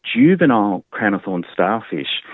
bintang laut kranothon yang muda